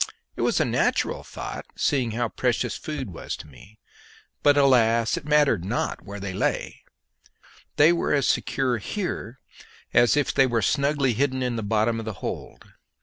It was a natural thought, seeing how precious food was to me. But, alas! it mattered not where they lay; they were as secure here as if they were snugly hidden in the bottom of the hold.